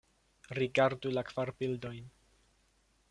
Rigardu la kvar bildojn.